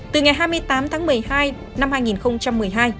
từ ngày hai mươi tám tháng một mươi hai năm hai nghìn một mươi hai